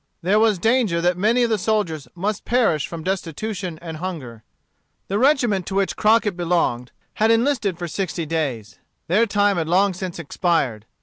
There was danger that many of the soldiers must perish from destitution and hunger. The regiment to which Crockett belonged had enlisted for sixty days. Their time had long since expired.